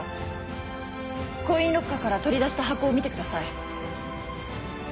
コインロッカーから取り出した箱を見てください。